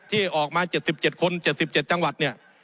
ที่ออกมา๗๗คน๗๗จังหวัด